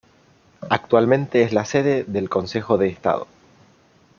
Actualmente, es la sede del Consejo de Estado.